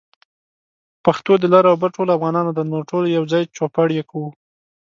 پښتو د لر او بر ټولو افغانانو ده، نو ټول يوځای چوپړ يې کوو